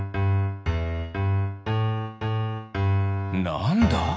なんだ？